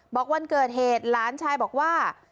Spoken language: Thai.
วันเกิดเหตุหลานชายบอกว่า